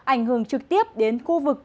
ảnh hưởng trực tiếp đến khu vực